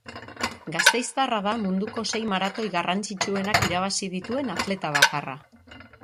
Gasteiztarra da munduko sei maratoi garrantzitsuenak irabazi dituen atleta bakarra.